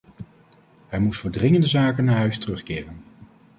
Hij moest voor dringende zaken naar huis terugkeren.